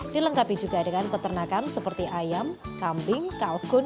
dilengkapi juga dengan peternakan seperti ayam kambing kalkun